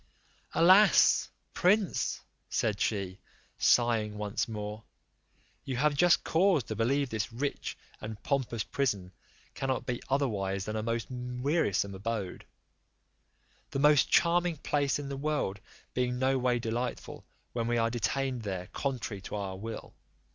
"Alas! prince," said she, sighing once more, "you have just cause to believe this rich and pompous prison cannot be otherwise than a most wearisome abode: the most charming place in the world being no way delightful when we are detained there contrary to our will.